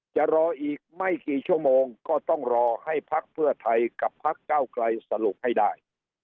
จะรออีกไม่กี่ชั่วโมงก็ต้องรอให้พักเพื่อไทยกับพักเก้าไกลสรุปให้ได้